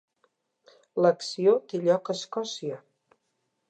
L'acció té lloc a Escòcia.